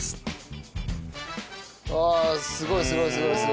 ああすごいすごいすごい。